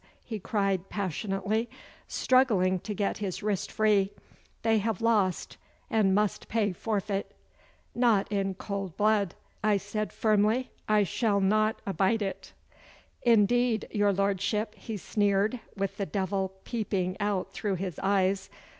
he cried passionately, struggling to get his wrist free. 'They have lost, and must pay forfeit.' 'Not in cold blood,' I said firmly. 'I shall not abide it.' 'Indeed, your lordship,' he sneered, with the devil peeping out through his eyes.